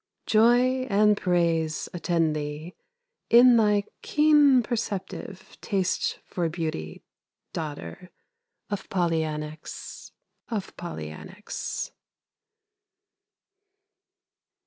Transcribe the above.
Joy and praise attend thee, In thy keen perceptive Taste for beauty, daughter Of Polyanax!